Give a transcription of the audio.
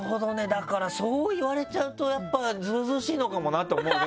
だからそう言われちゃうとやっぱずうずうしいのかもなと思うね